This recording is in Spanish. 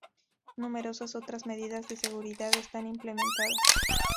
Numerosas otras medidas de seguridad están implementadas.